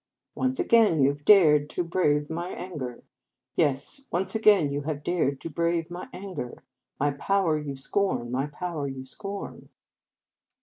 44 Once again you Ve dared to brave my anger, Yes, once again you Ve dared to brave my anger ; My power you scorn, My power you scorn."